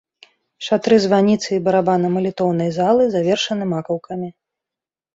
Шатры званіцы і барабана малітоўнай залы завершаны макаўкамі.